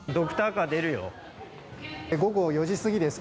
午後４時過ぎです。